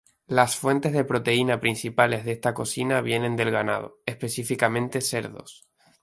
Las fuentes de proteína principales de esta cocina vienen del ganado, específicamente cerdos.